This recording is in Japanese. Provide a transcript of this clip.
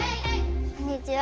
こんにちは。